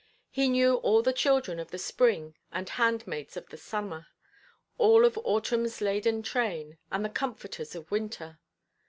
He knew all the children of the spring and handmaids of the summer, all of autumnʼs laden train and the comforters of winter.